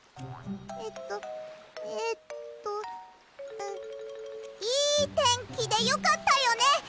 えっとええっとうっいいてんきでよかったよね！